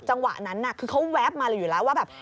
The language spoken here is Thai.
จังหวะนั้นคือเขาแวบมาเลยอยู่แล้วว่าแบบ